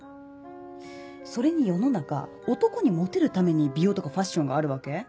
それに世の中男にモテるために美容とかファッションがあるわけ？